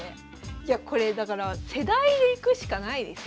いやこれだから世代でいくしかないですよ。